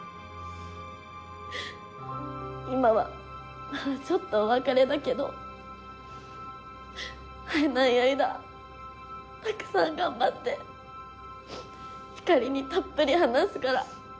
今はちょっとお別れだけど会えない間たくさん頑張ってひかりにたっぷり話すから。